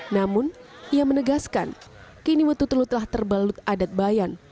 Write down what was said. namun ia menegaskan kini ototelu telah terbalut adat bayan